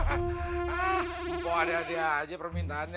ah kok ada ada aja permintaannya